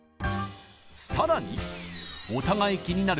更にお互い気になる